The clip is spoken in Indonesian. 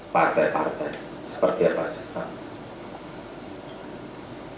partai partai seperti apa saya tahu